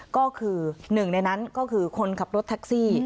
ก็คือหนึ่งในนั้นก็คือคนขับรถแท็กซี่